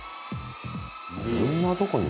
こんなとこに？